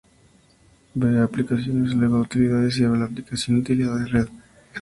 Ve a "Aplicaciones", luego a "Utilidades" y abre la aplicación "Utilidad de Red".